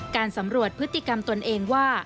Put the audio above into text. การสำรวจพฤติกรรมตนเองว่า